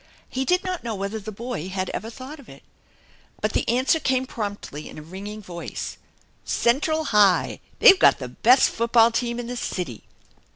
He did not know whether the boy had ever thought of it. But the answer came promptly in a ringing voice :" Central High ! They've got the best football team IB the city."